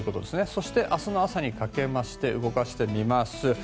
そして、明日の朝にかけて動かしてみます。